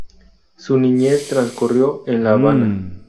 Su niñez transcurrió en La Habana.